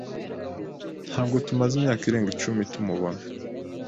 Ntabwo tumaze imyaka irenga icumi tumubona.